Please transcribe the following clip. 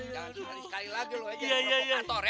jangan sekali sekali lagi lo aja yang provokator ya